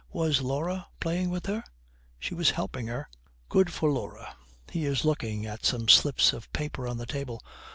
Was Laura playing with her?' 'She was helping her.' 'Good for Laura.' He is looking at some slips of paper on the table.